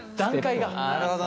段階が。